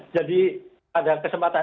jadi pada kesempatan ini